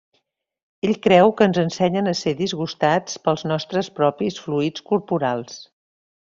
Ell creu que ens ensenyen a ser disgustats pels nostres propis fluids corporals.